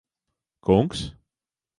Kungs?